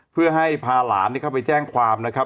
เพื่อให้พาหลานเข้าไปแจ้งความนะครับ